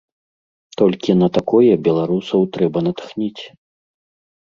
Толькі на такое беларусаў трэба натхніць.